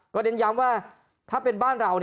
เน้นย้ำว่าถ้าเป็นบ้านเรา